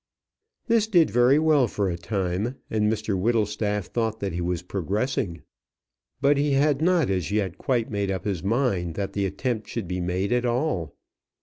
This did well for a time, and Mr Whittlestaff thought that he was progressing. But he had not as yet quite made up his mind that the attempt should be made at all.